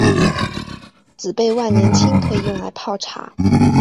紫背万年青可以用来泡茶。